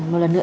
một lần nữa